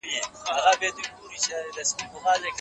دغه نظريات د اروپا اساس جوړ کړ.